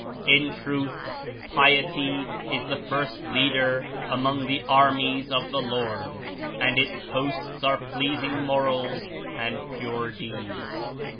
In truth. Piety is the first leader among the armies of the Lord, and its hosts are pleasing morals and pure deeds.